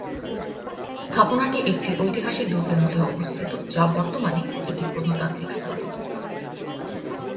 স্থাপনাটি একটি ঐতিহাসিক দুর্গের মধ্যে অবস্থিত যা বর্তমানে একটি প্রত্নতাত্ত্বিক স্থান।